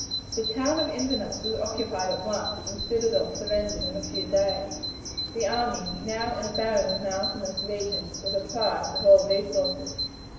The town of Inverness was occupied at once, and the citadel surrendered in a few days. The army, now in a barren and mountainous region, were deprived of all resources.